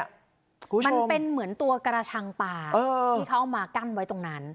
มันเป็นเหมือนตัวกระชังปลาที่เขาเอามากั้นไว้ตรงนั้น